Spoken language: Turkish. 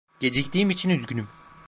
Geciktiğim için üzgünüm.